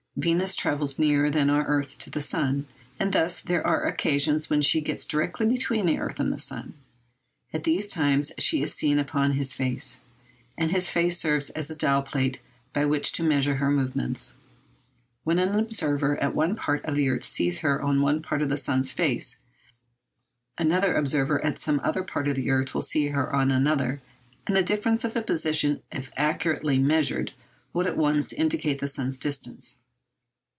Venus travels nearer than our earth to the sun. And thus there are occasions when she gets directly between the earth and the sun. At those times she is seen upon his face, and his face serves as a dial plate by which to measure her movements. When an observer at one part of the earth sees her on one part of the sun's face, another observer at some other part of the earth will see her on another, and the difference of position, if accurately measured, would at once indicate the sun's distance.